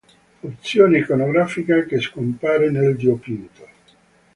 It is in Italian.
Opzione iconografica che scompare nel dipinto.